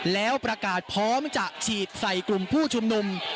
แล้วประกาศพร้อมจะฉีดใส่กลุ่มผู้ชุมนุม